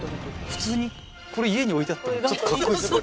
普通にこれ家に置いてあってもちょっとかっこいいですよね。